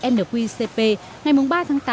nqcp ngày ba tháng tám